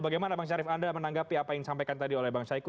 bagaimana bang syarif anda menanggapi apa yang disampaikan tadi oleh bang syaiqo